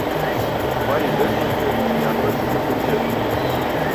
Бай бер күҙһеҙ, ярлы ике күҙһеҙ.